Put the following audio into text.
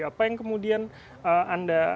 apa yang kemudian anda